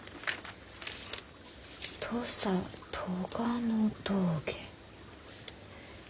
「土佐斗賀野峠」。